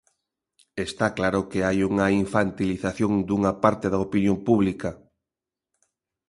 Está claro que hai unha infantilización dunha parte da opinión pública.